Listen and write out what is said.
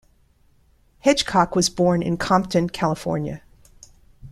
Hedgecock was born in Compton, California.